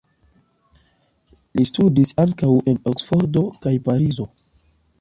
Li studis ankaŭ en Oksfordo kaj Parizo.